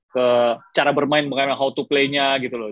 ke cara bermain cara bermainnya gitu loh